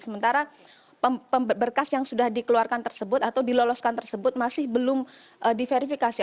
sementara berkas yang sudah dikeluarkan tersebut atau diloloskan tersebut masih belum diverifikasi